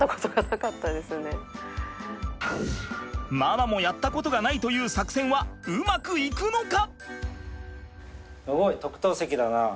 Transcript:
ママもやったことがないという作戦はうまくいくのか！？